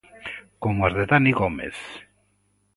Como as de Dani Gómez.